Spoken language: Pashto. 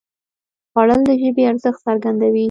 خوړل د ژبې ارزښت څرګندوي